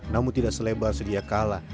namun tidak selebar sedia kala